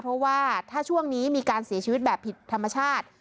เพราะว่าถ้าช่วงนี้มีการเสียชีวิตแบบผิดธรรมชาติ